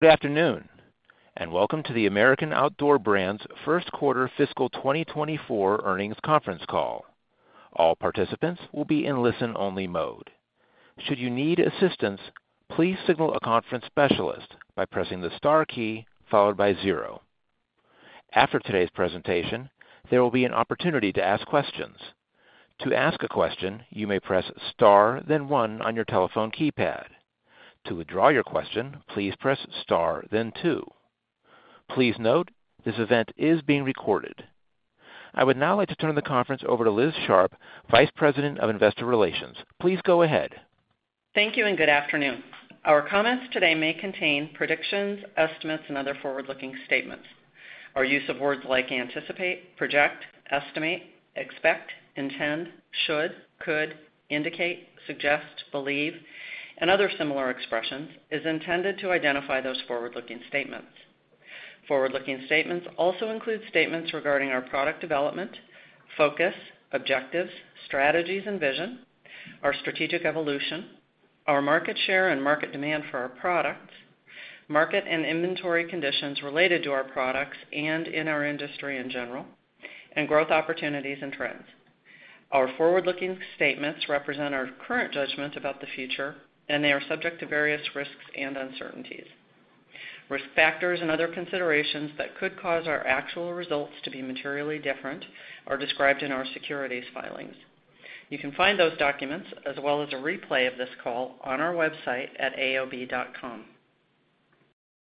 Good afternoon, and welcome to the American Outdoor Brands First Quarter Fiscal 2024 Earnings Conference Call. All participants will be in listen-only mode. Should you need assistance, please signal a conference specialist by pressing the star key followed by zero. After today's presentation, there will be an opportunity to ask questions. To ask a question, you may press star, then one on your telephone keypad. To withdraw your question, please press star then two. Please note, this event is being recorded. I would now like to turn the conference over to Liz Sharp, Vice President of Investor Relations. Please go ahead. Thank you, and good afternoon. Our comments today may contain predictions, estimates, and other forward-looking statements. Our use of words like anticipate, project, estimate, expect, intend, should, could, indicate, suggest, believe, and other similar expressions is intended to identify those forward-looking statements. Forward-looking statements also include statements regarding our product development, focus, objectives, strategies, and vision, our strategic evolution, our market share and market demand for our products, market and inventory conditions related to our products and in our industry in general, and growth opportunities and trends. Our forward-looking statements represent our current judgment about the future, and they are subject to various risks and uncertainties. Risk factors and other considerations that could cause our actual results to be materially different are described in our securities filings. You can find those documents, as well as a replay of this call, on our website at aob.com.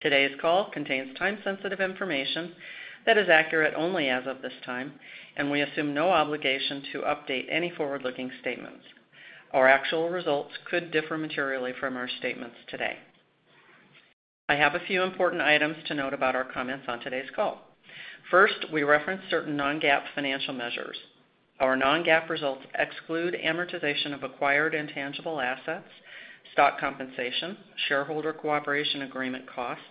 Today's call contains time-sensitive information that is accurate only as of this time, and we assume no obligation to update any forward-looking statements. Our actual results could differ materially from our statements today. I have a few important items to note about our comments on today's call. First, we reference certain non-GAAP financial measures. Our non-GAAP results exclude amortization of acquired intangible assets, stock compensation, shareholder cooperation agreement costs,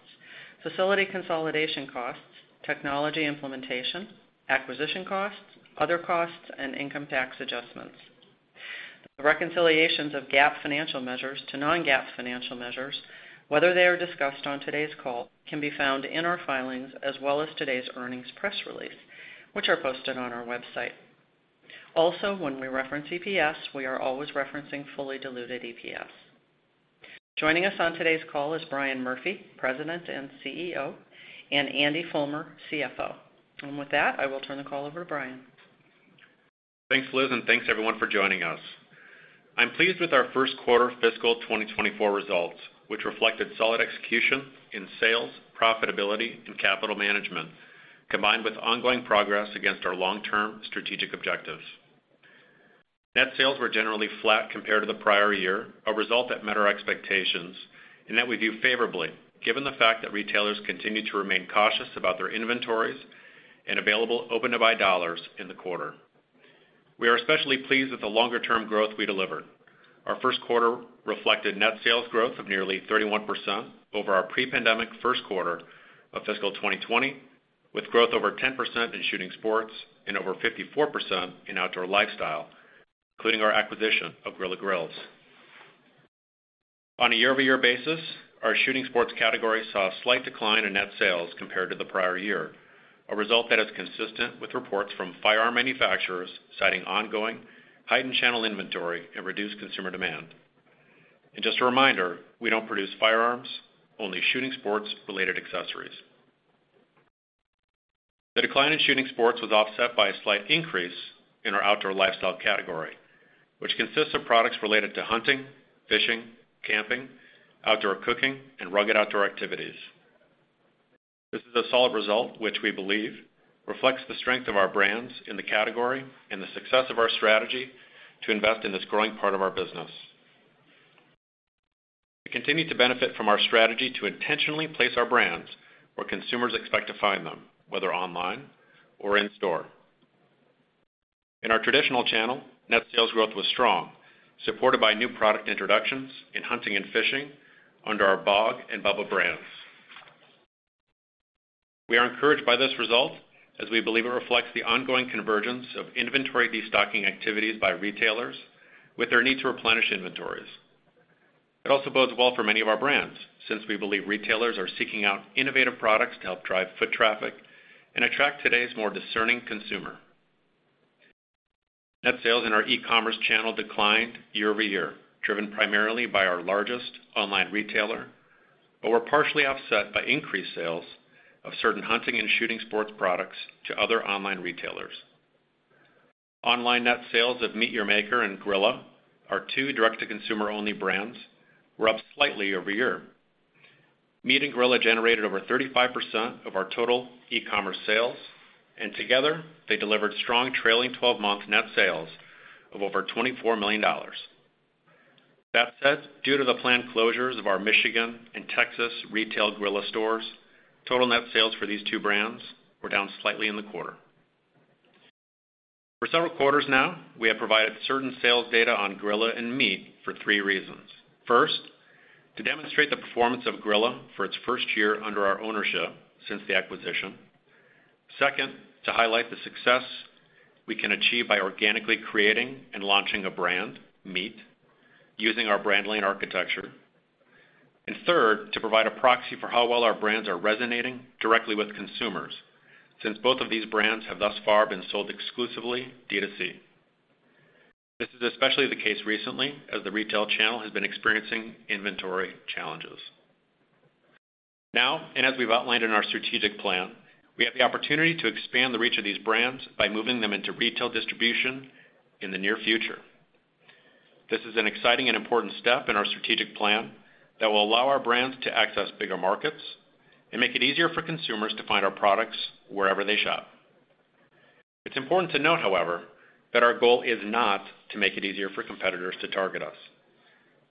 facility consolidation costs, technology implementation, acquisition costs, other costs, and income tax adjustments. The reconciliations of GAAP financial measures to non-GAAP financial measures, whether they are discussed on today's call, can be found in our filings, as well as today's earnings press release, which are posted on our website. Also, when we reference EPS, we are always referencing fully diluted EPS. Joining us on today's call is Brian Murphy, President and CEO, and Andy Fulmer, CFO. With that, I will turn the call over to Brian. Thanks, Liz, and thanks, everyone, for joining us. I'm pleased with our first quarter fiscal 2024 results, which reflected solid execution in sales, profitability, and capital management, combined with ongoing progress against our long-term strategic objectives. Net sales were generally flat compared to the prior year, a result that met our expectations and that we view favorably, given the fact that retailers continue to remain cautious about their inventories and available Open-to-Buy dollars in the quarter. We are especially pleased with the longer-term growth we delivered. Our first quarter reflected net sales growth of nearly 31% over our pre-pandemic first quarter of fiscal 2020, with growth over 10% in shooting sports and over 54% in outdoor lifestyle, including our acquisition of Grilla Grills. On a year-over-year basis, our shooting sports category saw a slight decline in net sales compared to the prior year, a result that is consistent with reports from firearm manufacturers, citing ongoing heightened channel inventory and reduced consumer demand. And just a reminder, we don't produce firearms, only shooting sports-related accessories. The decline in shooting sports was offset by a slight increase in our outdoor lifestyle category, which consists of products related to hunting, fishing, camping, outdoor cooking, and rugged outdoor activities. This is a solid result, which we believe reflects the strength of our brands in the category and the success of our strategy to invest in this growing part of our business. We continue to benefit from our strategy to intentionally place our brands where consumers expect to find them, whether online or in-store. In our traditional channel, net sales growth was strong, supported by new product introductions in hunting and fishing under our BOG and BUBBA brands. We are encouraged by this result, as we believe it reflects the ongoing convergence of inventory destocking activities by retailers with their need to replenish inventories. It also bodes well for many of our brands, since we believe retailers are seeking out innovative products to help drive foot traffic and attract today's more discerning consumer. Net sales in our e-commerce channel declined year-over-year, driven primarily by our largest online retailer, but were partially offset by increased sales of certain hunting and shooting sports products to other online retailers. Online net sales of MEAT! Your Maker and Grilla, our two direct-to-consumer-only brands, were up slightly year-over-year. MEAT! and Grilla generated over 35% of our total e-commerce sales, and together, they delivered strong trailing twelve-month net sales of over $24 million. That said, due to the planned closures of our Michigan and Texas retail Grilla stores, total net sales for these two brands were down slightly in the quarter. For several quarters now, we have provided certain sales data on Grilla and MEAT! for three reasons. First, to demonstrate the performance of Grilla for its first year under our ownership since the acquisition.... Second, to highlight the success we can achieve by organically creating and launching a brand, MEAT!, using our brand lane architecture. And third, to provide a proxy for how well our brands are resonating directly with consumers, since both of these brands have thus far been sold exclusively D2C. This is especially the case recently, as the retail channel has been experiencing inventory challenges. Now, and as we've outlined in our strategic plan, we have the opportunity to expand the reach of these brands by moving them into retail distribution in the near future. This is an exciting and important step in our strategic plan that will allow our brands to access bigger markets and make it easier for consumers to find our products wherever they shop. It's important to note, however, that our goal is not to make it easier for competitors to target us.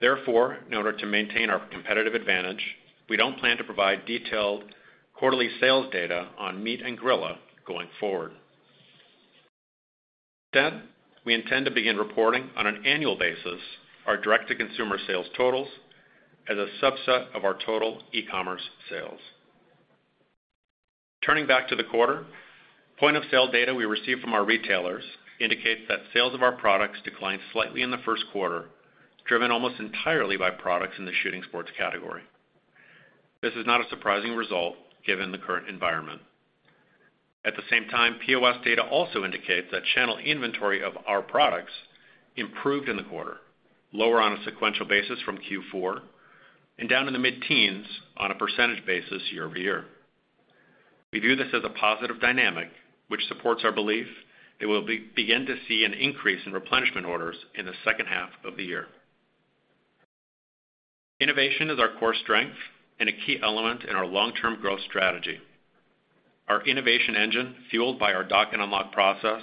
Therefore, in order to maintain our competitive advantage, we don't plan to provide detailed quarterly sales data on MEAT! and Grilla going forward. Instead, we intend to begin reporting on an annual basis, our direct-to-consumer sales totals as a subset of our total e-commerce sales. Turning back to the quarter, point-of-sale data we received from our retailers indicates that sales of our products declined slightly in the first quarter, driven almost entirely by products in the shooting sports category. This is not a surprising result given the current environment. At the same time, POS data also indicates that channel inventory of our products improved in the quarter, lower on a sequential basis from Q4, and down in the mid-teens on a percentage basis year-over-year. We view this as a positive dynamic, which supports our belief that we'll begin to see an increase in replenishment orders in the second half of the year. Innovation is our core strength and a key element in our long-term growth strategy. Our innovation engine, fueled by our Dock & Unlock process,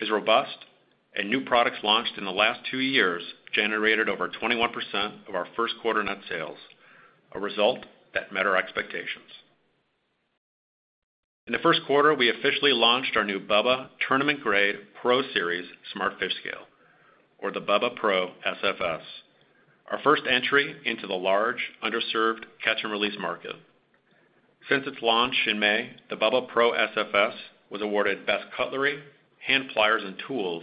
is robust, and new products launched in the last two years generated over 21% of our first quarter net sales, a result that met our expectations. In the first quarter, we officially launched our new BUBBA Tournament Grade Pro Series Smart Fish Scale, or the BUBBA Pro SFS, our first entry into the large, underserved catch and release market. Since its launch in May, the BUBBA Pro SFS was awarded Best Cutlery, Hand Pliers, and Tools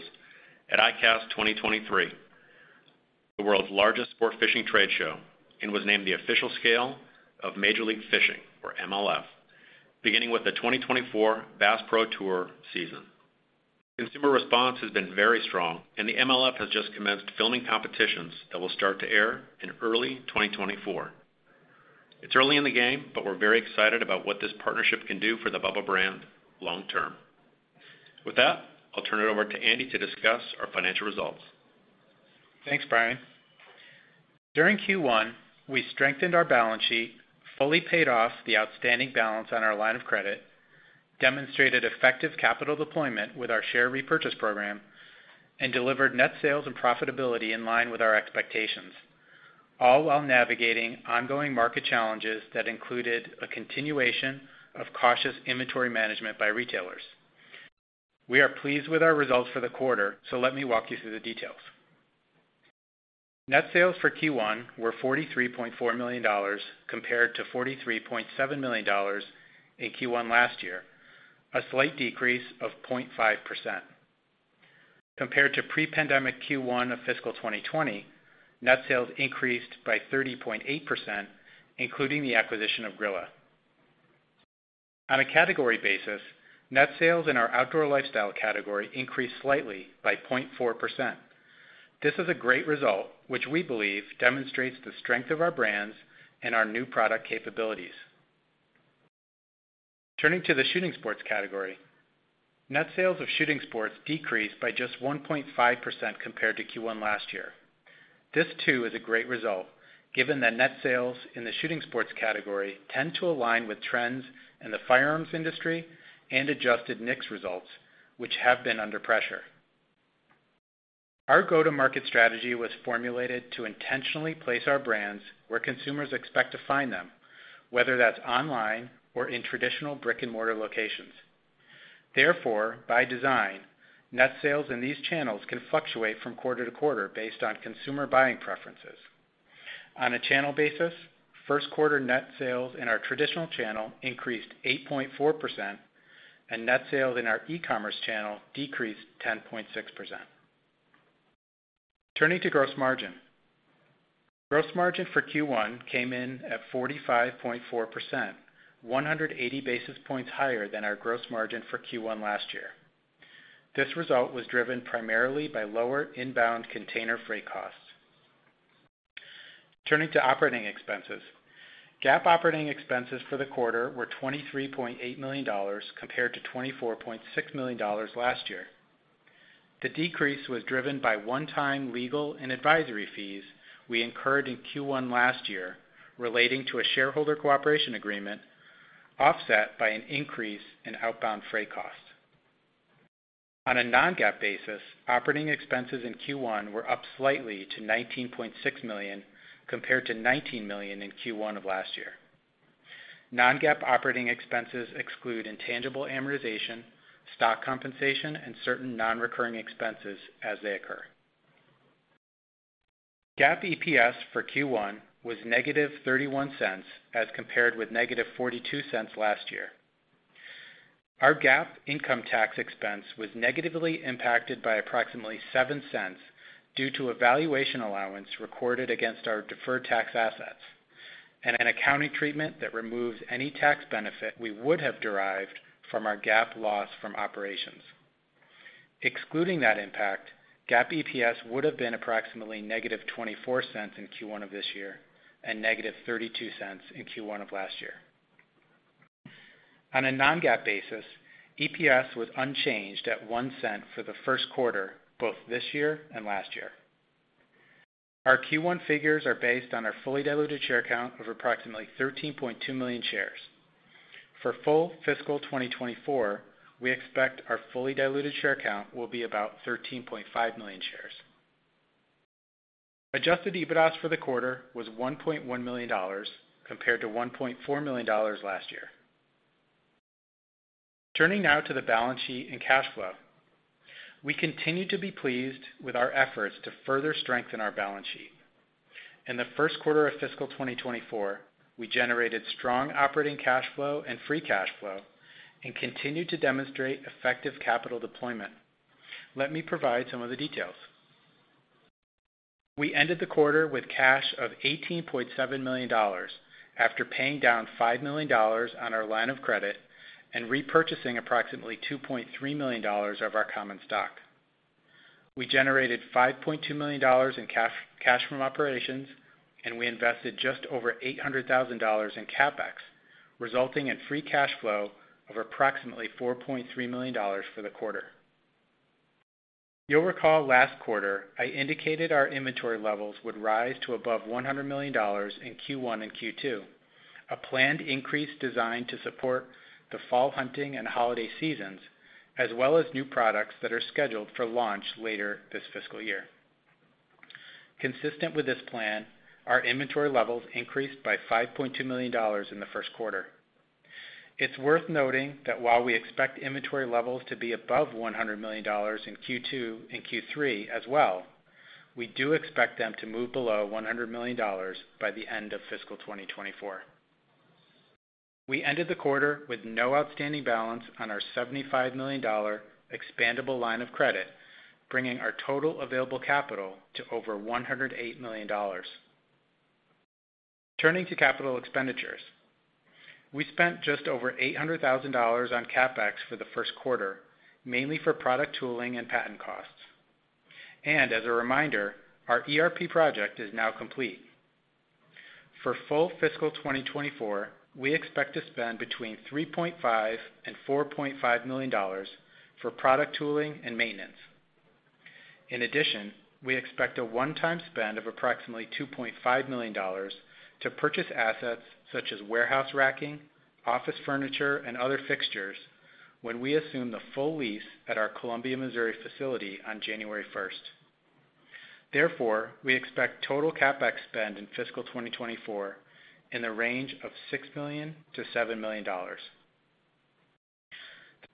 at ICAST 2023, the world's largest sport fishing trade show, and was named the official scale of Major League Fishing, or MLF, beginning with the 2024 Bass Pro Tour season. Consumer response has been very strong, and the MLF has just commenced filming competitions that will start to air in early 2024. It's early in the game, but we're very excited about what this partnership can do for the BUBBA brand long term. With that, I'll turn it over to Andy to discuss our financial results. Thanks, Brian. During Q1, we strengthened our balance sheet, fully paid off the outstanding balance on our line of credit, demonstrated effective capital deployment with our share repurchase program, and delivered net sales and profitability in line with our expectations, all while navigating ongoing market challenges that included a continuation of cautious inventory management by retailers. We are pleased with our results for the quarter, so let me walk you through the details. Net sales for Q1 were $43.4 million compared to $43.7 million in Q1 last year, a slight decrease of 0.5%. Compared to pre-pandemic Q1 of fiscal 2020, net sales increased by 30.8%, including the acquisition of Grilla. On a category basis, net sales in our outdoor lifestyle category increased slightly by 0.4%. This is a great result, which we believe demonstrates the strength of our brands and our new product capabilities. Turning to the shooting sports category, net sales of shooting sports decreased by just 1.5% compared to Q1 last year. This, too, is a great result, given that net sales in the shooting sports category tend to align with trends in the firearms industry and adjusted mix results, which have been under pressure. Our go-to-market strategy was formulated to intentionally place our brands where consumers expect to find them, whether that's online or in traditional brick-and-mortar locations. Therefore, by design, net sales in these channels can fluctuate from quarter to quarter based on consumer buying preferences. On a channel basis, first quarter net sales in our traditional channel increased 8.4%, and net sales in our e-commerce channel decreased 10.6%. Turning to gross margin. Gross margin for Q1 came in at 45.4%, 180 basis points higher than our gross margin for Q1 last year. This result was driven primarily by lower inbound container freight costs. Turning to operating expenses. GAAP operating expenses for the quarter were $23.8 million, compared to $24.6 million last year. The decrease was driven by one-time legal and advisory fees we incurred in Q1 last year, relating to a shareholder cooperation agreement, offset by an increase in outbound freight costs. On a non-GAAP basis, operating expenses in Q1 were up slightly to $19.6 million, compared to $19 million in Q1 of last year. Non-GAAP operating expenses exclude intangible amortization, stock compensation, and certain non-recurring expenses as they occur. GAAP EPS for Q1 was -$0.31, as compared with -$0.42 last year. Our GAAP income tax expense was negatively impacted by approximately $0.07 due to a valuation allowance recorded against our deferred tax assets and an accounting treatment that removes any tax benefit we would have derived from our GAAP loss from operations. Excluding that impact, GAAP EPS would have been approximately -$0.24 in Q1 of this year and -$0.32 in Q1 of last year. On a non-GAAP basis, EPS was unchanged at $0.01 for the first quarter, both this year and last year. Our Q1 figures are based on our fully diluted share count of approximately 13.2 million shares. For full fiscal 2024, we expect our fully diluted share count will be about 13.5 million shares. Adjusted EBITDA for the quarter was $1.1 million, compared to $1.4 million last year. Turning now to the balance sheet and cash flow. We continue to be pleased with our efforts to further strengthen our balance sheet. In the first quarter of fiscal 2024, we generated strong operating cash flow and free cash flow and continued to demonstrate effective capital deployment. Let me provide some of the details. We ended the quarter with cash of $18.7 million, after paying down $5 million on our line of credit and repurchasing approximately $2.3 million of our common stock. We generated $5.2 million in cash from operations, and we invested just over $800,000 in CapEx, resulting in free cash flow of approximately $4.3 million for the quarter. You'll recall last quarter, I indicated our inventory levels would rise to above $100 million in Q1 and Q2, a planned increase designed to support the fall hunting and holiday seasons, as well as new products that are scheduled for launch later this fiscal year. Consistent with this plan, our inventory levels increased by $5.2 million in the first quarter. It's worth noting that while we expect inventory levels to be above $100 million in Q2 and Q3 as well, we do expect them to move below $100 million by the end of fiscal 2024. We ended the quarter with no outstanding balance on our $75 million expandable line of credit, bringing our total available capital to over $108 million. Turning to capital expenditures. We spent just over $800,000 on CapEx for the first quarter, mainly for product tooling and patent costs. As a reminder, our ERP project is now complete. For full fiscal 2024, we expect to spend $3.5 million-$4.5 million for product tooling and maintenance. In addition, we expect a one-time spend of approximately $2.5 million to purchase assets such as warehouse racking, office furniture, and other fixtures when we assume the full lease at our Columbia, Missouri, facility on January first. Therefore, we expect total CapEx spend in fiscal 2024 in the range of $6 million-$7 million.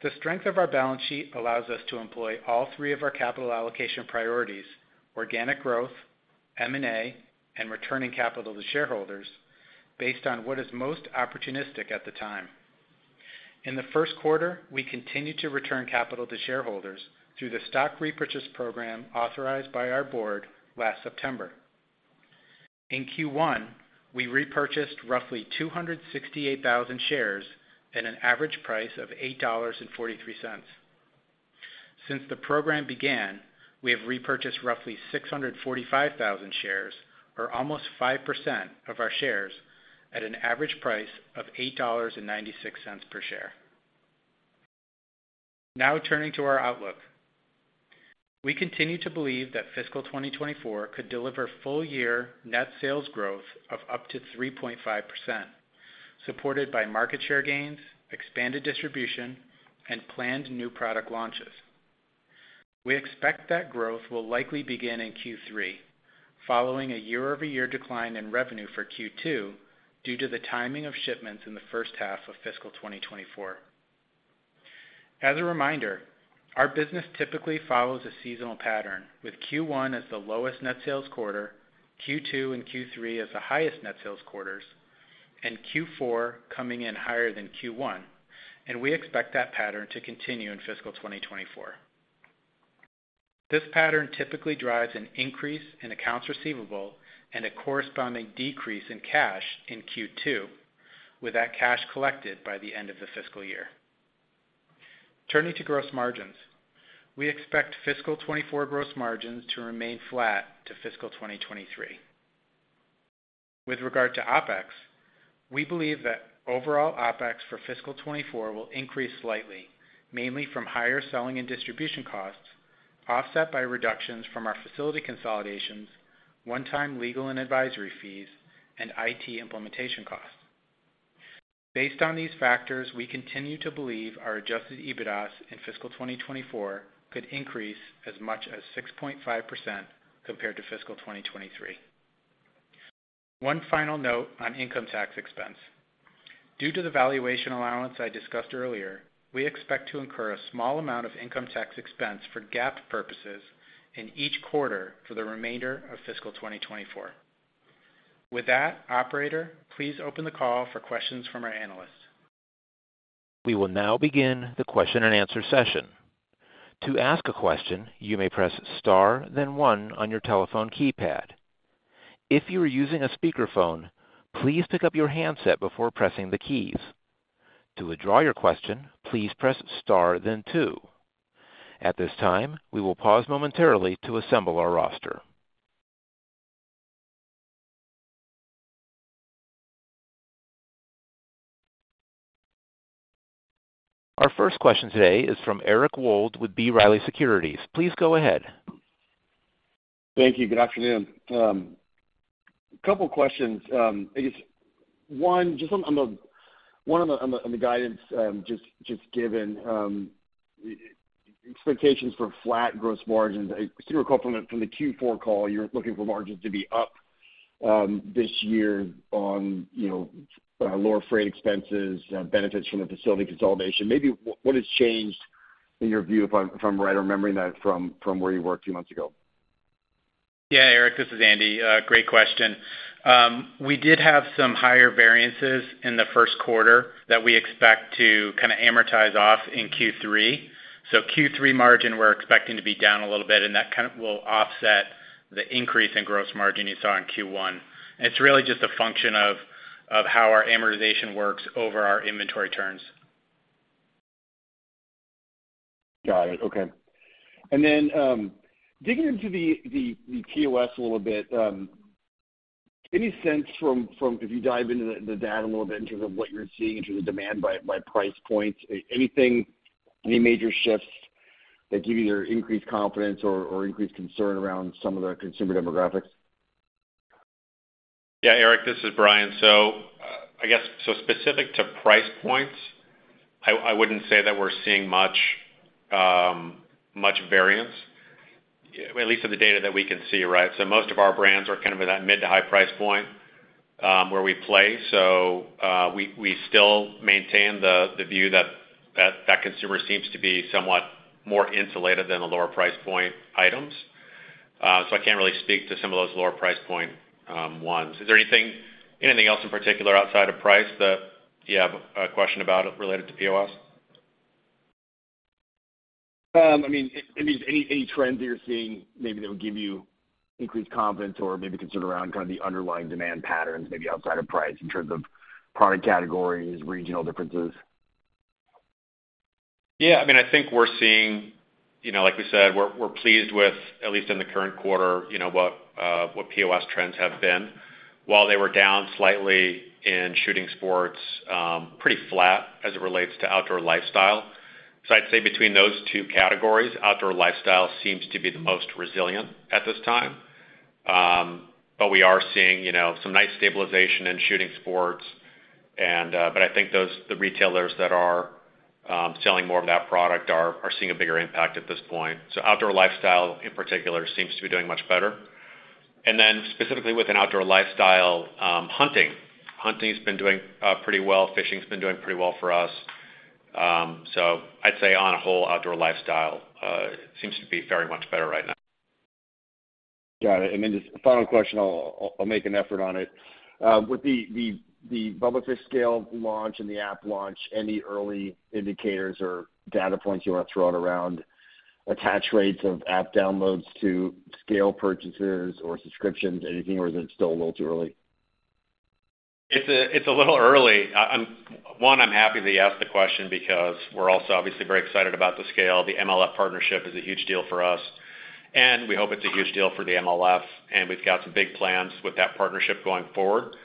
The strength of our balance sheet allows us to employ all three of our capital allocation priorities: organic growth, M&A, and returning capital to shareholders based on what is most opportunistic at the time. In the first quarter, we continued to return capital to shareholders through the stock repurchase program authorized by our board last September. In Q1, we repurchased roughly 268,000 shares at an average price of $8.43. Since the program began, we have repurchased roughly 645,000 shares, or almost 5% of our shares, at an average price of $8.96 per share. Now, turning to our outlook. We continue to believe that fiscal 2024 could deliver full-year net sales growth of up to 3.5%, supported by market share gains, expanded distribution, and planned new product launches. We expect that growth will likely begin in Q3, following a year-over-year decline in revenue for Q2 due to the timing of shipments in the first half of fiscal 2024. As a reminder, our business typically follows a seasonal pattern, with Q1 as the lowest net sales quarter, Q2 and Q3 as the highest net sales quarters, and Q4 coming in higher than Q1, and we expect that pattern to continue in fiscal 2024. This pattern typically drives an increase in accounts receivable and a corresponding decrease in cash in Q2, with that cash collected by the end of the fiscal year. Turning to gross margins, we expect fiscal 2024 gross margins to remain flat to fiscal 2023. With regard to OpEx, we believe that overall OpEx for fiscal 2024 will increase slightly, mainly from higher selling and distribution costs, offset by reductions from our facility consolidations, one-time legal and advisory fees, and IT implementation costs. Based on these factors, we continue to believe our adjusted EBITDA in fiscal 2024 could increase as much as 6.5% compared to fiscal 2023. One final note on income tax expense. Due to the valuation allowance I discussed earlier, we expect to incur a small amount of income tax expense for GAAP purposes in each quarter for the remainder of fiscal 2024. With that, operator, please open the call for questions from our analysts. We will now begin the question and answer session. To ask a question, you may press Star, then One on your telephone keypad. If you are using a speakerphone, please pick up your handset before pressing the keys. To withdraw your question, please press star then two. At this time, we will pause momentarily to assemble our roster. Our first question today is from Eric Wold with B. Riley Securities. Please go ahead. Thank you. Good afternoon. A couple questions. I guess one, just on the guidance, just given expectations for flat gross margins. I seem to recall from the Q4 call, you're looking for margins to be up this year on, you know, lower freight expenses, benefits from the facility consolidation. Maybe what has changed in your view, if I'm right remembering that from where you were two months ago? Yeah, Eric, this is Andy. Great question. We did have some higher variances in the first quarter that we expect to kind of amortize off in Q3. So Q3 margin, we're expecting to be down a little bit, and that kind of will offset the increase in gross margin you saw in Q1. It's really just a function of, of how our amortization works over our inventory turns. Got it. Okay. And then, digging into the POS a little bit, any sense from—if you dive into the data a little bit in terms of what you're seeing in terms of demand by price points, anything, any major shifts that give you either increased confidence or increased concern around some of the consumer demographics? Yeah, Eric, this is Brian. So, I guess, so specific to price points, I wouldn't say that we're seeing much, much variance, at least in the data that we can see, right? So most of our brands are kind of in that mid to high price point, where we play. So, we still maintain the view that that consumer seems to be somewhat more insulated than the lower price point items. So I can't really speak to some of those lower price point ones. Is there anything, anything else in particular outside of price that you have a question about related to POS? I mean, any trends that you're seeing, maybe that would give you increased confidence or maybe concern around kind of the underlying demand patterns, maybe outside of price, in terms of product categories, regional differences? Yeah, I mean, I think we're seeing, you know, like we said, we're pleased with, at least in the current quarter, you know, what POS trends have been. While they were down slightly in shooting sports, pretty flat as it relates to outdoor lifestyle. So I'd say between those two categories, outdoor lifestyle seems to be the most resilient at this time. But we are seeing, you know, some nice stabilization in shooting sports and, but I think those, the retailers that are selling more of that product are seeing a bigger impact at this point. So outdoor lifestyle, in particular, seems to be doing much better. And then specifically within outdoor lifestyle, hunting. Hunting's been doing pretty well. Fishing's been doing pretty well for us. So I'd say on a whole, outdoor lifestyle, seems to be very much better right now. Got it. And then just final question, I'll make an effort on it. With the BUBBA Fish scale launch and the app launch, any early indicators or data points you want to throw out around attach rates of app downloads to scale purchases or subscriptions, anything, or is it still a little too early? It's a little early. I'm happy that you asked the question because we're also obviously very excited about the scale. The MLF partnership is a huge deal for us, and we hope it's a huge deal for the MLF, and we've got some big plans with that partnership going forward.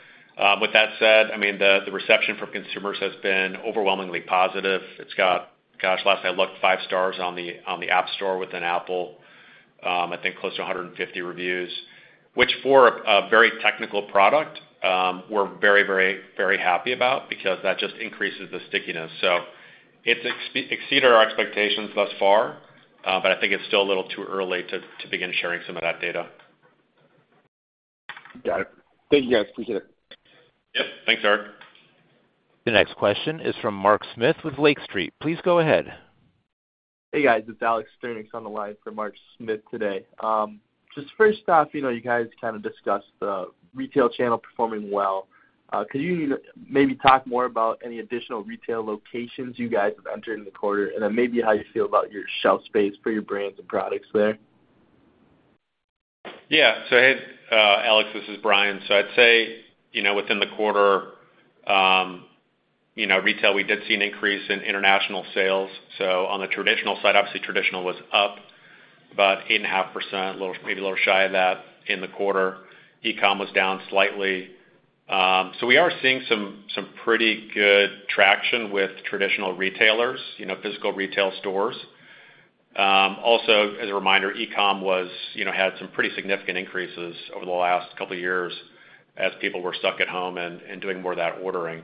With that said, I mean, the reception from consumers has been overwhelmingly positive. It's got, gosh, last I looked, five stars on the App Store within Apple. I think close to 150 reviews, which for a very technical product, we're very, very, very happy about because that just increases the stickiness. So it's exceeded our expectations thus far, but I think it's still a little too early to begin sharing some of that data. Got it. Thank you, guys. Appreciate it. Yep. Thanks, Eric. The next question is from Mark Smith with Lake Street. Please go ahead. Hey, guys, it's Alex Sturnieks on the line for Mark Smith today. Just first off, you know, you guys kind of discussed the retail channel performing well. Could you maybe talk more about any additional retail locations you guys have entered in the quarter, and then maybe how you feel about your shelf space for your brands and products there? Yeah. So hey, Alex, this is Brian. So I'd say, you know, within the quarter, you know, retail, we did see an increase in international sales. So on the traditional side, obviously traditional was up about 8.5%, a little shy of that in the quarter. E-com was down slightly. So we are seeing some pretty good traction with traditional retailers, you know, physical retail stores. Also, as a reminder, e-com was, you know, had some pretty significant increases over the last couple of years as people were stuck at home and doing more of that ordering.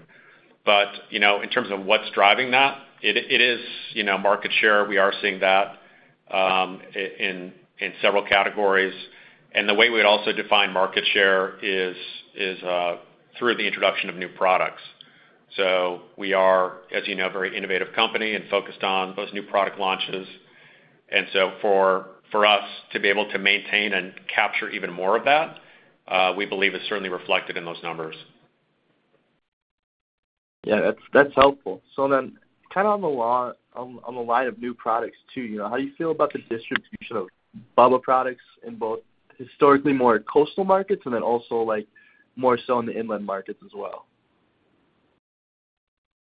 But, you know, in terms of what's driving that, it is, you know, market share. We are seeing that in several categories. And the way we'd also define market share is through the introduction of new products. We are, as you know, a very innovative company and focused on those new product launches. For us to be able to maintain and capture even more of that, we believe is certainly reflected in those numbers. Yeah, that's, that's helpful. So then, kind of on the line, on, on the line of new products, too, you know, how do you feel about the distribution of BUBBA products in both historically more coastal markets and then also, like, more so in the inland markets as well?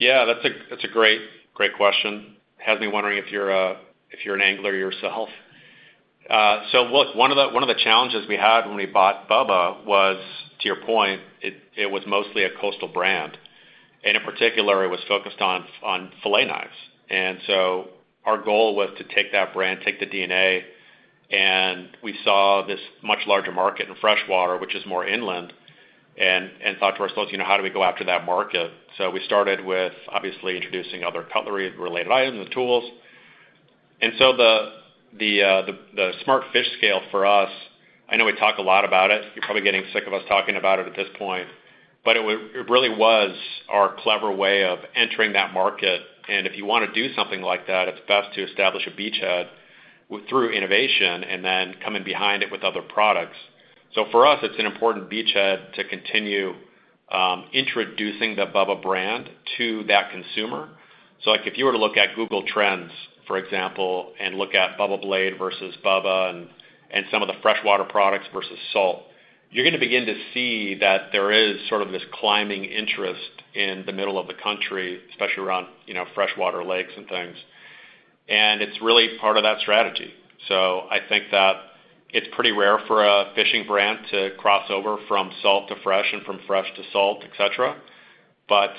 Yeah, that's a great, great question. It has me wondering if you're an angler yourself. So look, one of the challenges we had when we bought BUBBA was, to your point, it was mostly a coastal brand, and in particular, it was focused on fillet knives. And so our goal was to take that brand, take the DNA, and we saw this much larger market in freshwater, which is more inland, and thought to ourselves, "You know, how do we go after that market?" So we started with, obviously, introducing other cutlery-related items and tools. And so the smart fish scale for us, I know we talk a lot about it. You're probably getting sick of us talking about it at this point, but it really was our clever way of entering that market. And if you want to do something like that, it's best to establish a beachhead through innovation and then come in behind it with other products. So for us, it's an important beachhead to continue introducing the BUBBA brand to that consumer. So like, if you were to look at Google Trends, for example, and look at BUBBA Blade versus BUBBA and some of the freshwater products versus salt, you're going to begin to see that there is sort of this climbing interest in the middle of the country, especially around, you know, freshwater lakes and things. And it's really part of that strategy. So I think that it's pretty rare for a fishing brand to cross over from salt to fresh and from fresh to salt, et cetera. But,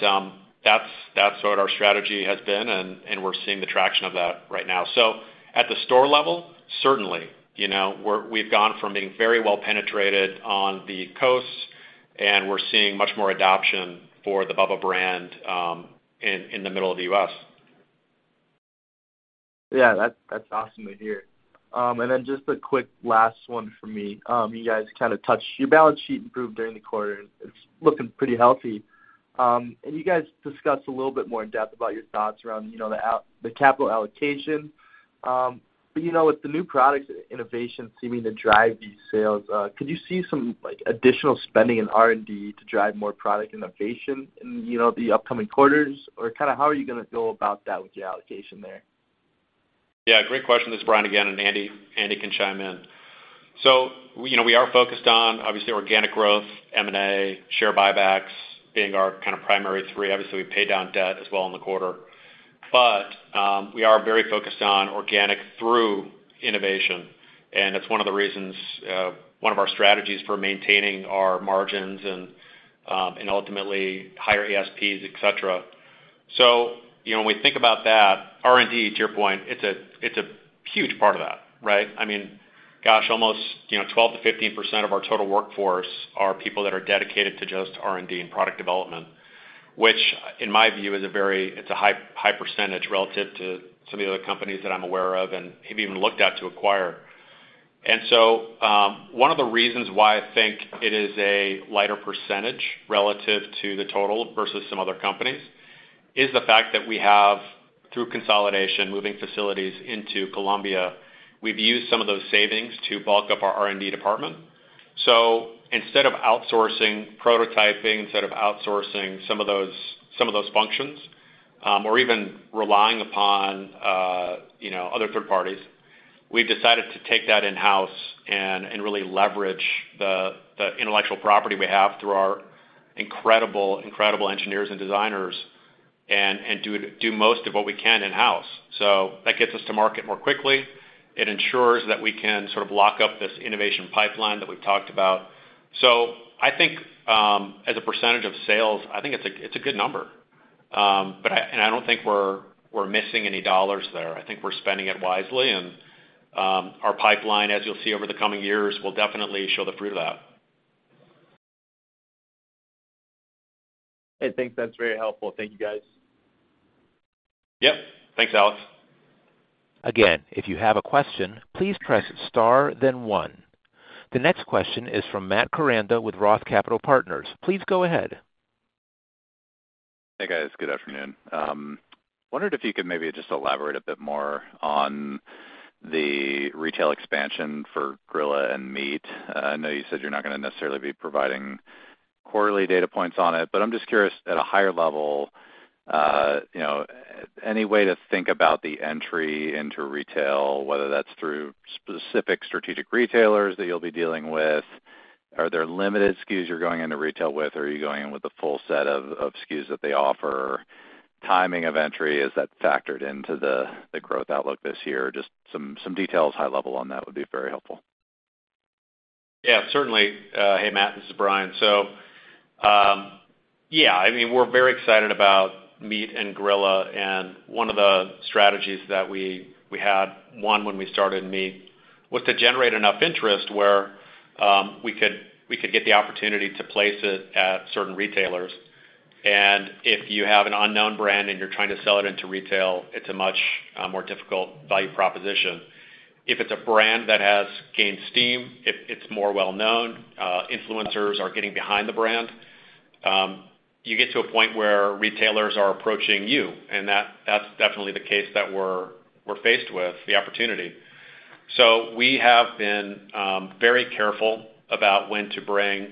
that's what our strategy has been, and we're seeing the traction of that right now. So at the store level, certainly, you know, we've gone from being very well penetrated on the coasts, and we're seeing much more adoption for the BUBBA brand, in the middle of the U.S. Yeah, that's, that's awesome to hear. And then just a quick last one from me. You guys kind of touched... your balance sheet improved during the quarter, and it's looking pretty healthy. Can you guys discuss a little bit more in depth about your thoughts around, you know, the capital allocation? But, you know, with the new products innovation seeming to drive these sales, could you see some, like, additional spending in R&D to drive more product innovation in, you know, the upcoming quarters? Or kinda how are you gonna go about that with your allocation there? Yeah, great question. This is Brian again, and Andy, Andy can chime in. So we, you know, we are focused on, obviously, organic growth, M&A, share buybacks being our kind of primary three. Obviously, we paid down debt as well in the quarter. But, we are very focused on organic through innovation, and that's one of the reasons, one of our strategies for maintaining our margins and, and ultimately higher ASPs, et cetera. So you know, when we think about that, R&D, to your point, it's a, it's a huge part of that, right? I mean, gosh, almost, you know, 12%-15% of our total workforce are people that are dedicated to just R&D and product development, which, in my view, is a very, it's a high, high percentage relative to some of the other companies that I'm aware of and have even looked at to acquire. And so, one of the reasons why I think it is a lighter percentage relative to the total versus some other companies, is the fact that we have, through consolidation, moving facilities into Columbia, we've used some of those savings to bulk up our R&D department. So instead of outsourcing prototyping, instead of outsourcing some of those functions, or even relying upon, you know, other third parties, we've decided to take that in-house and really leverage the intellectual property we have through our incredible engineers and designers and do most of what we can in-house. So that gets us to market more quickly. It ensures that we can sort of lock up this innovation pipeline that we've talked about. So I think, as a percentage of sales, I think it's a good number. But I and I don't think we're missing any dollars there. I think we're spending it wisely, and our pipeline, as you'll see over the coming years, will definitely show the fruit of that. I think that's very helpful. Thank you, guys. Yep. Thanks, Alex. Again, if you have a question, please press star, then One. The next question is from Matt Koranda with ROTH Capital Partners. Please go ahead. Hey, guys. Good afternoon. Wondered if you could maybe just elaborate a bit more on the retail expansion for Grilla and MEAT!. I know you said you're not gonna necessarily be providing quarterly data points on it, but I'm just curious, at a higher level, you know, any way to think about the entry into retail, whether that's through specific strategic retailers that you'll be dealing with? Are there limited SKUs you're going into retail with, or are you going in with a full set of SKUs that they offer? Timing of entry, is that factored into the growth outlook this year? Just some details, high level on that would be very helpful. Yeah, certainly. Hey, Matt, this is Brian. So, yeah, I mean, we're very excited about MEAT! and Grilla, and one of the strategies that we had when we started MEAT! was to generate enough interest where we could get the opportunity to place it at certain retailers. And if you have an unknown brand and you're trying to sell it into retail, it's a much more difficult value proposition. If it's a brand that has gained steam, it's more well known, influencers are getting behind the brand, you get to a point where retailers are approaching you, and that's definitely the case that we're faced with, the opportunity. So we have been very careful about when to bring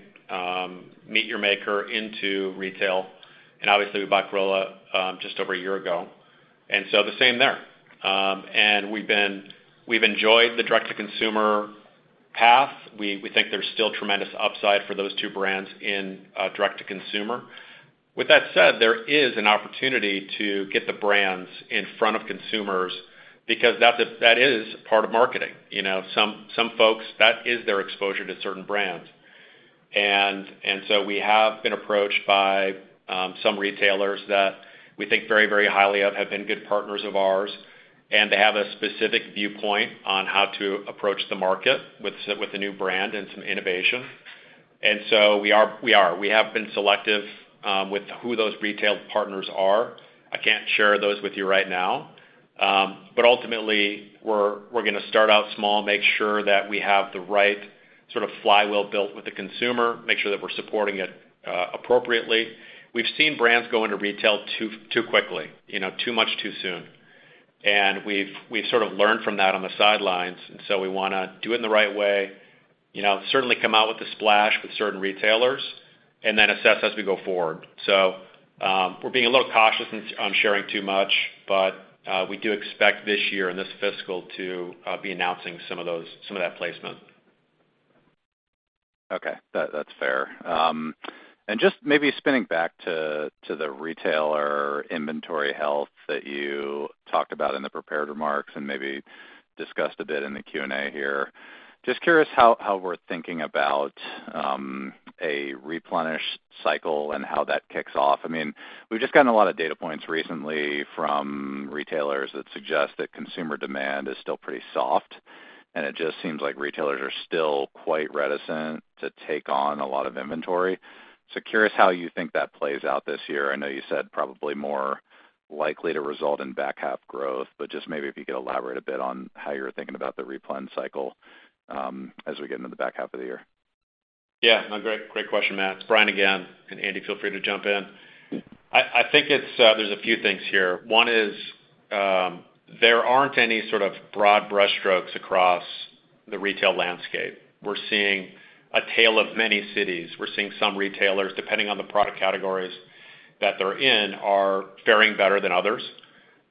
MEAT! Your Maker into retail, and obviously, we bought Grilla just over a year ago, and so the same there. And we've enjoyed the direct-to-consumer path. We think there's still tremendous upside for those two brands in direct-to-consumer. With that said, there is an opportunity to get the brands in front of consumers because that's a, that is part of marketing. You know, some folks, that is their exposure to certain brands. And so we have been approached by some retailers that we think very, very highly of, have been good partners of ours, and they have a specific viewpoint on how to approach the market with the new brand and some innovation. And so we are. We have been selective with who those retail partners are. I can't share those with you right now. But ultimately, we're gonna start out small, make sure that we have the right sort of flywheel built with the consumer, make sure that we're supporting it appropriately. We've seen brands go into retail too quickly, you know, too much, too soon. And we've sort of learned from that on the sidelines, and so we wanna do it in the right way, you know, certainly come out with a splash with certain retailers and then assess as we go forward. So, we're being a little cautious on sharing too much, but we do expect this year and this fiscal to be announcing some of that placement. Okay. That's fair. And just maybe spinning back to the retailer inventory health that you talked about in the prepared remarks and maybe discussed a bit in the Q&A here. Just curious how we're thinking about a replenish cycle and how that kicks off. I mean, we've just gotten a lot of data points recently from retailers that suggest that consumer demand is still pretty soft, and it just seems like retailers are still quite reticent to take on a lot of inventory. So curious how you think that plays out this year. I know you said probably more likely to result in back half growth, but just maybe if you could elaborate a bit on how you're thinking about the replenishment cycle as we get into the back half of the year. Yeah. No, great, great question, Matt. It's Brian again, and Andy, feel free to jump in. I, I think it's... There's a few things here. One is, there aren't any sort of broad brushstrokes across the retail landscape. We're seeing a tale of many cities. We're seeing some retailers, depending on the product categories that they're in, are faring better than others,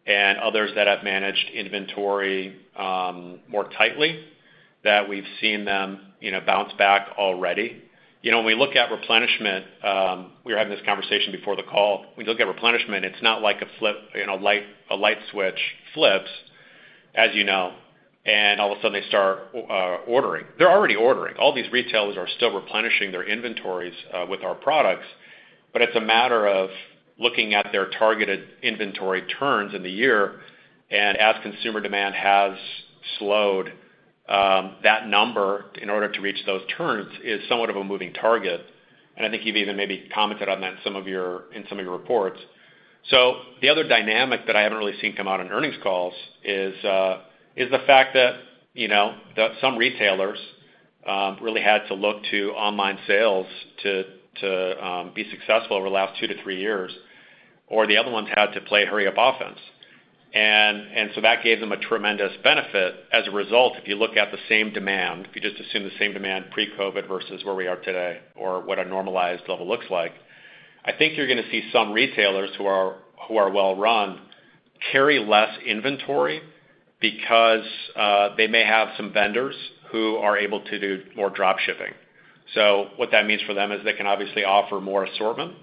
and others that have managed inventory more tightly, that we've seen them, you know, bounce back already. You know, when we look at replenishment, we were having this conversation before the call. When you look at replenishment, it's not like a flip, you know, light switch flips, as you know, and all of a sudden they start ordering. They're already ordering. All these retailers are still replenishing their inventories with our products, but it's a matter of looking at their targeted inventory turns in the year, and as consumer demand has slowed, that number, in order to reach those turns, is somewhat of a moving target, and I think you've even maybe commented on that in some of your reports. So the other dynamic that I haven't really seen come out on earnings calls is the fact that, you know, that some retailers really had to look to online sales to be successful over the last two to three years, or the other ones had to play hurry up offense. So that gave them a tremendous benefit. As a result, if you look at the same demand, if you just assume the same demand pre-COVID versus where we are today or what a normalized level looks like, I think you're gonna see some retailers who are, who are well-run, carry less inventory because they may have some vendors who are able to do more dropshipping. So what that means for them is they can obviously offer more assortment,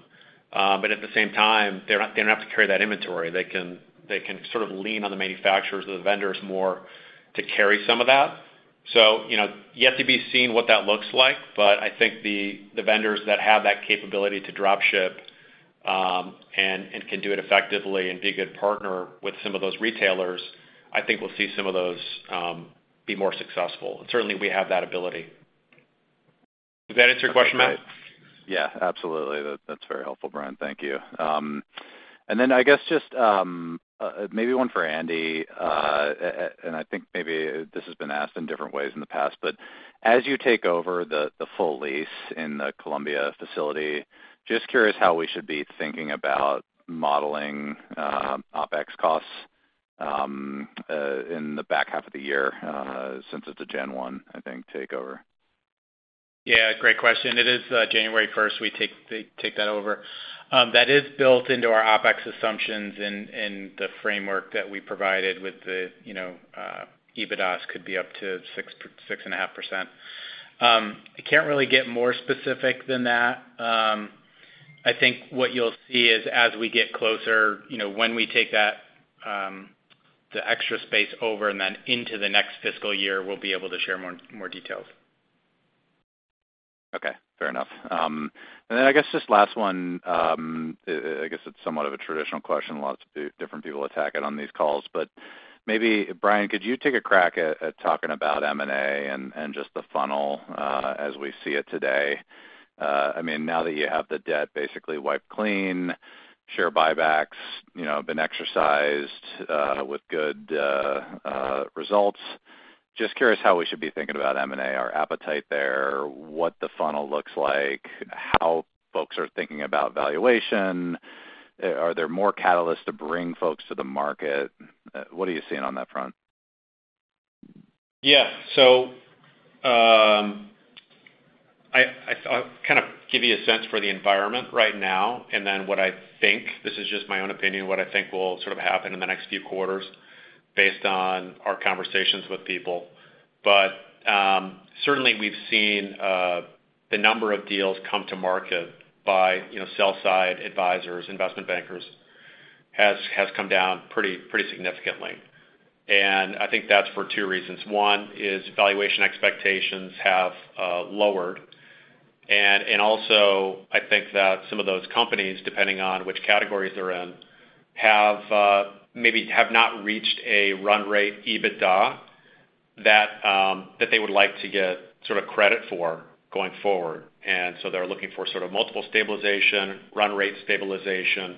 but at the same time, they don't, they don't have to carry that inventory. They can, they can sort of lean on the manufacturers or the vendors more to carry some of that. So, you know, yet to be seen what that looks like, but I think the vendors that have that capability to dropship, and can do it effectively and be a good partner with some of those retailers, I think we'll see some of those be more successful. And certainly, we have that ability. Does that answer your question, Matt? Yeah, absolutely. That, that's very helpful, Brian. Thank you. And then I guess just maybe one for Andy, and I think maybe this has been asked in different ways in the past, but as you take over the full lease in the Columbia facility, just curious how we should be thinking about modeling OpEx costs in the back half of the year since it's a gen one, I think, takeover. Yeah, great question. It is January 1st. We take that over. That is built into our OpEx assumptions and the framework that we provided, with the, you know, EBITDAs could be up to 6%-6.5%. I can't really get more specific than that. I think what you'll see is, as we get closer, you know, when we take that, the extra space over and then into the next fiscal year, we'll be able to share more details. Okay. Fair enough. And then I guess this last one, I guess it's somewhat of a traditional question. Lots of different people attack it on these calls, but maybe, Brian, could you take a crack at talking about M&A and just the funnel as we see it today? I mean, now that you have the debt basically wiped clean, share buybacks, you know, been exercised with good results. Just curious how we should be thinking about M&A, our appetite there, what the funnel looks like, how folks are thinking about valuation. Are there more catalysts to bring folks to the market? What are you seeing on that front? Yeah. So, I’ll kind of give you a sense for the environment right now, and then what I think, this is just my own opinion, what I think will sort of happen in the next few quarters based on our conversations with people. But, certainly, we’ve seen the number of deals come to market by, you know, sell side advisors, investment bankers, has come down pretty significantly. And I think that’s for two reasons. One is valuation expectations have lowered. And also, I think that some of those companies, depending on which categories they’re in, have maybe not reached a run rate, EBITDA, that they would like to get sort of credit for going forward. And so they’re looking for sort of multiple stabilization, run rate stabilization,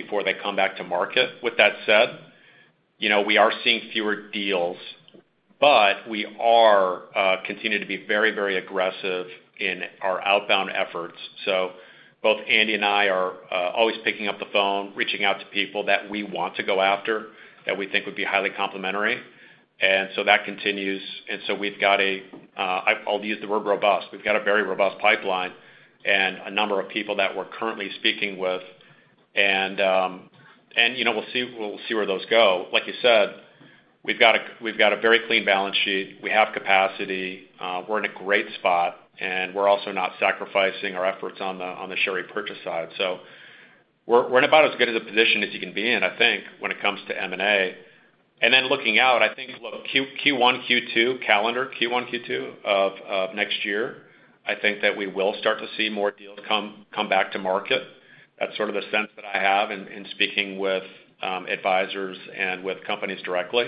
before they come back to market. With that said, you know, we are seeing fewer deals, but we are continuing to be very, very aggressive in our outbound efforts. So both Andy and I are always picking up the phone, reaching out to people that we want to go after, that we think would be highly complementary. And so that continues. And so we've got a. I'll use the word robust. We've got a very robust pipeline and a number of people that we're currently speaking with, and, and, you know, we'll see, we'll see where those go. Like you said, we've got a, we've got a very clean balance sheet. We have capacity. We're in a great spot, and we're also not sacrificing our efforts on the, on the share purchase side. So we're in about as good a position as you can be in, I think, when it comes to M&A. And then looking out, I think, look, Q1, Q2, calendar Q1, Q2 of next year, I think that we will start to see more deals come back to market. That's sort of the sense that I have in speaking with advisors and with companies directly.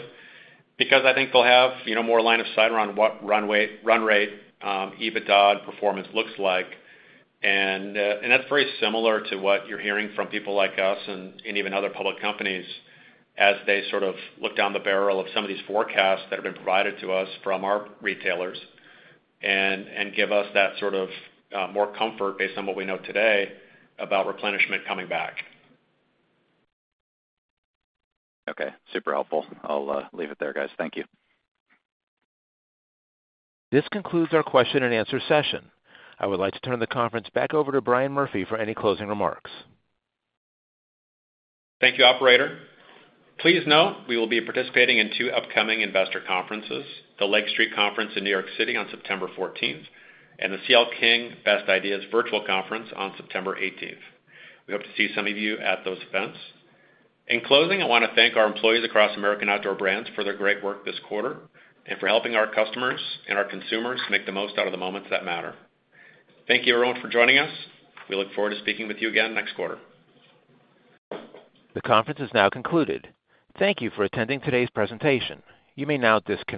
Because I think they'll have, you know, more line of sight around what run rate EBITDA performance looks like. That's very similar to what you're hearing from people like us and even other public companies as they sort of look down the barrel of some of these forecasts that have been provided to us from our retailers, and give us that sort of more comfort based on what we know today about replenishment coming back. Okay, super helpful. I'll leave it there, guys. Thank you. This concludes our question and answer session. I would like to turn the conference back over to Brian Murphy for any closing remarks. Thank you, operator. Please note, we will be participating in two upcoming investor conferences, the Lake Street Conference in New York City on September 14th, and the C.L. King Best Ideas Virtual Conference on September 18th. We hope to see some of you at those events. In closing, I want to thank our employees across American Outdoor Brands for their great work this quarter, and for helping our customers and our consumers make the most out of the moments that matter. Thank you everyone for joining us. We look forward to speaking with you again next quarter. The conference is now concluded. Thank you for attending today's presentation. You may now disconnect.